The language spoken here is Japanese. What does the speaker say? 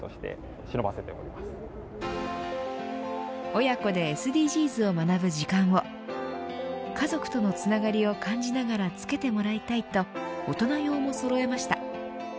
親子でＳＤＧｓを学ぶ時間を家族とのつながりを感じながらつけてもらいたいと大人用もそろえました。